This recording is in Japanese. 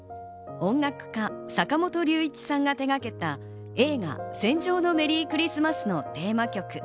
音楽家・坂本龍一さんが手がけた映画『戦場のメリークリスマス』のテーマ曲。